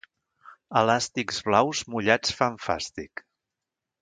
Elàstics blaus mullats fan fàstic.